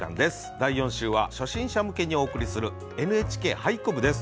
第４週は初心者向けにお送りする「ＮＨＫ俳句部」です。